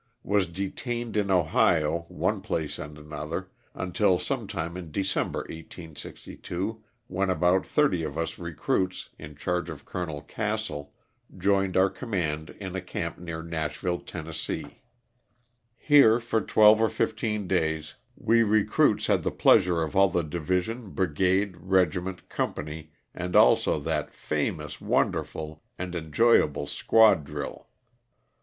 Was detained in Ohio, one place and another, until some time in December, 1862, when about thirty of us recruits, in charge of Col. Castle, joined our command in a camp near Nashville, Tenn. Here, for twelve or fifteen days, we recruits had the pleasure of all the division, brigade, regiment, company and also that famous, wonderful, and enjoy able squad drill.